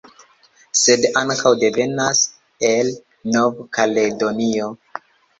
Sed ankaŭ devenas el Nov-Kaledonio